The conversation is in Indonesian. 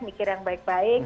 mikir yang baik baik